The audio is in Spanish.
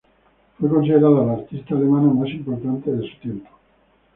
Fue considerada la artista alemana más importante de su tiempo.